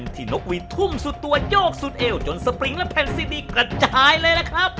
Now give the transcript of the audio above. นกหวีดทุ่มสุดตัวโยกสุดเอวจนสปริงและแผ่นซีดีกระจายเลยล่ะครับ